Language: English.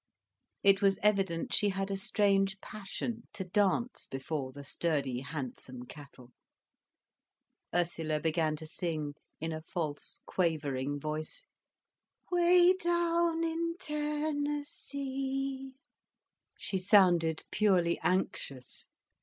It was evident she had a strange passion to dance before the sturdy, handsome cattle. Ursula began to sing, in a false quavering voice: "Way down in Tennessee—" She sounded purely anxious.